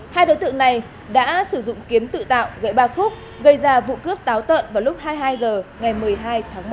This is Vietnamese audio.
hai đối tượng này đã sử dụng kiếm tự tạo gậy ba khúc gây ra vụ cướp táo tợn vào lúc hai mươi hai h ngày một mươi hai tháng một